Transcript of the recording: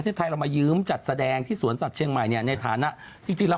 ซึ่งคุณแม่ไม่ได้ไปอยู่ด้วย